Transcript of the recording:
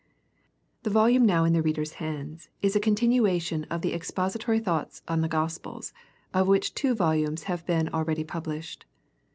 The volume now in the reader's hands, is a continuation of the " Expository Thoughts on the Gospels/' of which two volumes have been already published.